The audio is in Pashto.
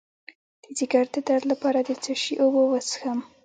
د ځیګر د درد لپاره د څه شي اوبه وڅښم؟